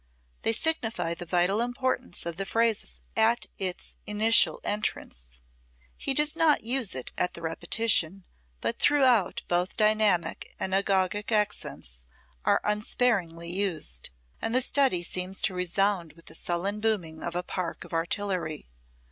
They signify the vital importance of the phrase at its initial entrance. He does not use it at the repetition, but throughout both dynamic and agogic accents are unsparingly used, and the study seems to resound with the sullen booming of a park of artillery.